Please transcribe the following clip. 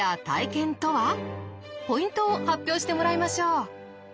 ポイントを発表してもらいましょう。